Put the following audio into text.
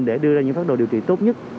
để đưa ra những pháp đồ điều trị tốt nhất